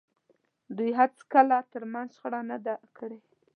دوی هېڅکله تر منځ شخړه نه ده کړې.